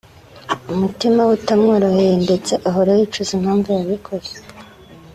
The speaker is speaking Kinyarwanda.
umutima we utamworoheye ndetse ahora yicuza impamvu yabikoze